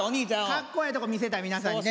かっこええとこ見せたい皆さんにぜひ。